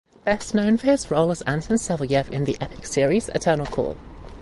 Best known for his role as Anton Savelyev in the epic series Eternal Call.